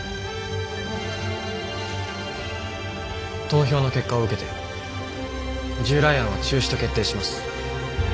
投票の結果を受けて従来案は中止と決定します。